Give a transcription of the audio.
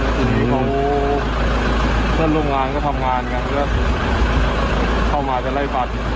อันนี้เขาเพื่อนโรงงานก็ทำงานกันเพื่อเข้ามาจะไล่ฟัน